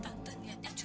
jangan bikin kacau